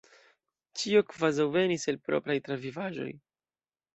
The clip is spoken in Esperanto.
Ĉio kvazaŭ venis el propraj travivaĵoj.